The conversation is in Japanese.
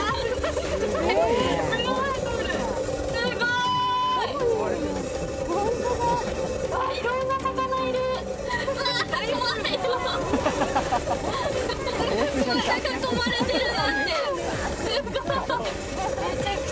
いろんな魚いる。